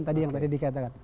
tadi yang tadi dikatakan